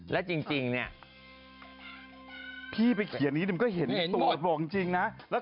และจริงพี่ไปเขียนนี้มึง็เห็นทรวจบอกจริงนะ